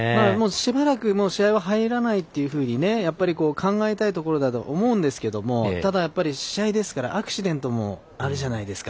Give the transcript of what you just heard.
しばらく試合は入らないというふうに考えたいところだと思うんですけれども試合ですからアクシデントもあるじゃないですか。